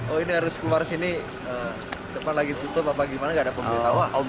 oh ini harus keluar sini depan lagi tutup apa gimana gak ada pemberitahuan